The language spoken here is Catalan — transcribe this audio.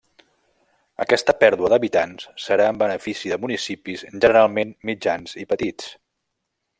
Aquesta pèrdua d'habitants serà en benefici de municipis generalment mitjans i petits.